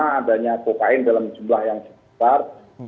ini adalah pokain dalam jumlah yang besar